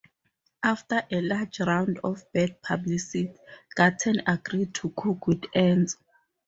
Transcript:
After a large round of bad publicity, Garten agreed to cook with Enzo.